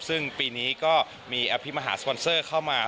ซึ่งปีนี้ก็มีอภิมหาสปอนเซอร์เข้ามา